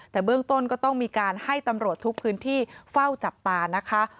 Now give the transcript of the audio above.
แต่เบื้องต้นก็ต้องมีการให้ตำรวจทุกพื้นที่เฝ้าจับตานะคะ